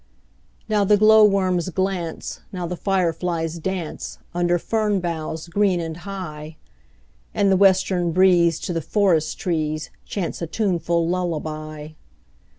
Now the glowworms glance, Now the fireflies dance, Under fern boughs green and high; And the western breeze To the forest trees Chants a tuneful lullaby.